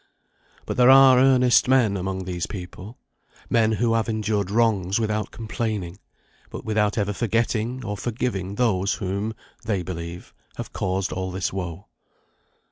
But there are earnest men among these people, men who have endured wrongs without complaining, but without ever forgetting or forgiving those whom (they believe) have caused all this woe.